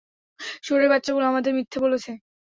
শুয়োরের বাচ্চাগুলো আমাদের মিথ্যা বলেছে!